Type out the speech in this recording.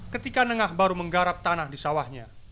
ketika nengah baru menggarap tanah di sawahnya